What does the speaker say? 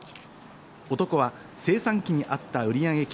男は精算機にあった売上金